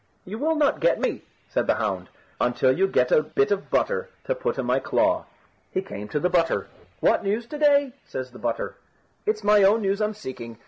"You will not get me," said the hound, "until you get a bit of butter to put in my claw." He came to the butter. "What news to day?" says the butter. "It's my own news I'm seeking.